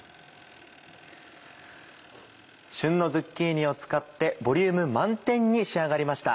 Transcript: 旬のズッキーニを使ってボリューム満点に仕上がりました。